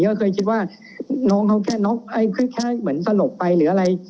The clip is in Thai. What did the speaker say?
ก็เคยคิดว่าน้องเขาแค่น็อกคล้ายเหมือนสลบไปหรืออะไร